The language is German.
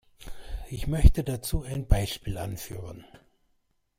Ich möchte dazu ein Beispiel anführen.